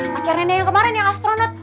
pacar nenek yang kemarin yang astronot